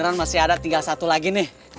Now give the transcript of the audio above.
ah kebeneran masih ada tinggal satu lagi nih